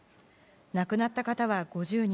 亡くなった方は５０人。